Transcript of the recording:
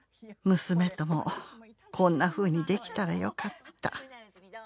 「娘ともこんなふうにできたらよかった」